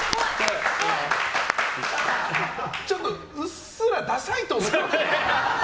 ちょっとうっすらダサいと思ってます？